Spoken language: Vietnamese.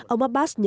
ông abbas nhận ra